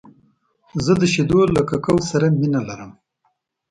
زه د شیدو له ککو سره مینه لرم .